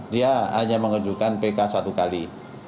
dia hanya mengajukan pk satu kali